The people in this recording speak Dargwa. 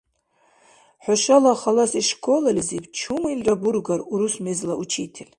ХӀушала халаси школализиб чумилра бургар урус мезла учитель?